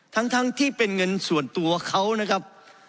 ทั้งที่เป็นเงินส่วนตัวเขานะครับ